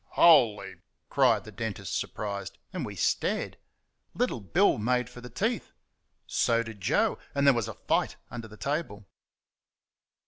"Holy!" cried the dentist, surprised, and we stared. Little Bill made for the teeth; so did Joe, and there was a fight under the table.